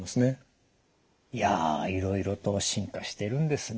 いやいろいろと進化してるんですね。